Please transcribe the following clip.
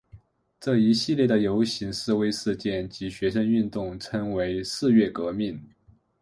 这一系列的游行示威事件及学生运动称为四月革命。